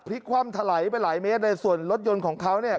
คว่ำถลายไปหลายเมตรเลยส่วนรถยนต์ของเขาเนี่ย